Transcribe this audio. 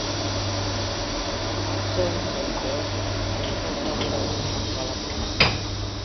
Acheron சேர்ந்து Ascalphus-ஐயும் அவள் வளர்த்தாள்.